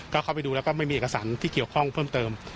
ก็เข้าไปดูแล้วก็ไม่มีเอกสารที่เกี่ยวข้องเพิ่มเติม